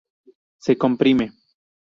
Se comprime.